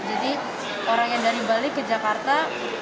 jadi orang yang dari bali ke jakarta